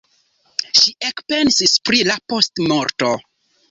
Ŝi ekpensis pri la postmorto.